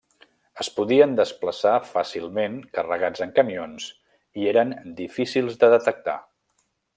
Es podien desplaçar fàcilment carregats en camions i eren difícils de detectar.